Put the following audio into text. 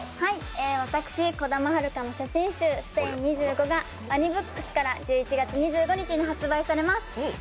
私、兒玉遥の写真集「Ｓｔａｙ２５」がワニブックスから１１月２５日発売されます。